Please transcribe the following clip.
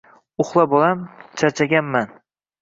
Uxla, bolam, charchaganman.